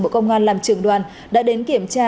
bộ công an làm trường đoàn đã đến kiểm tra